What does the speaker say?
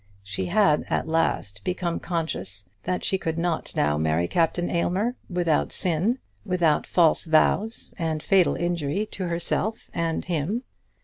She had at last become conscious that she could not now marry Captain Aylmer without sin, without false vows, and fatal injury to herself and him.